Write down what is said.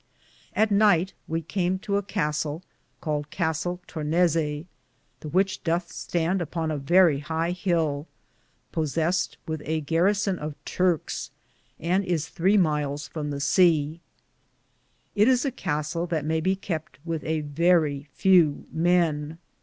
At nyghte we came to a Castell, caled Castell Turneaes,' ^ the which dothe stand upon a verrie hie hill, posseste with a garreson of Turkes, and is 3 myles from the seae. It is a Castele that may be kepte with a verrie few men.